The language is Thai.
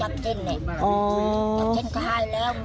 ก็จับเจ้นไหนจับเจ้นทายแล้วมา